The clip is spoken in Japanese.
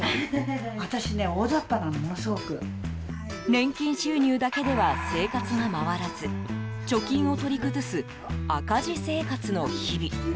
年金収入だけでは生活が回らず貯金を取り崩す赤字生活の日々。